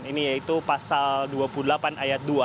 ini yaitu pasal dua puluh delapan ayat dua